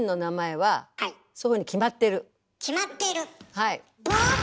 はい。